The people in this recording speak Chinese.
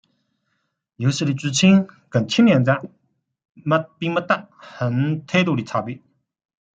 游戏的剧情与前两作并没有太多区别。